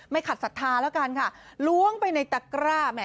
ขัดศรัทธาแล้วกันค่ะล้วงไปในตะกร้าแหม